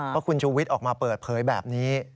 เพราะคุณชูวิทย์ออกมาเปิดเผยแบบนี้